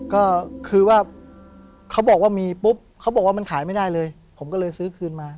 ก็คือว่าเขาบอกว่ามีปุ๊บเขาบอกว่ามันขายไม่ได้เลยผมก็เลยซื้อคืนมา